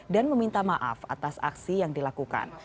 dan meminta maaf atas aksi yang dilakukan